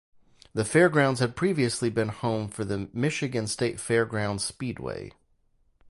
The fairgrounds had previously been the home for the Michigan State Fairgrounds Speedway.